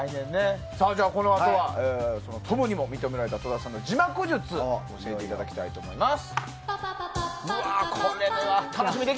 じゃあ、このあとはトムにも認められた戸田さんのでは、字幕術を教えていただこうと思います。